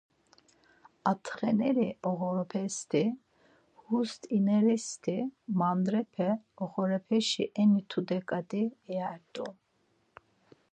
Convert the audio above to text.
Atxeneri oxorepesti, hust̆ineristi mandrepe oxorepeşi eni tudeni ǩat̆i iyert̆u.